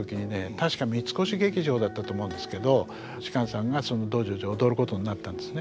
確か三越劇場だったと思うんですけど芝さんがその「道成寺」を踊ることになったんですね。